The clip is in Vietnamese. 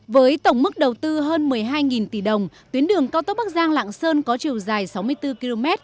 với tổng mức đầu tư hơn một mươi hai tỷ đồng tuyến đường cao tốc bắc giang lạng sơn có chiều dài sáu mươi bốn km